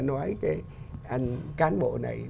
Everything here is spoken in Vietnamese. nói cái cán bộ này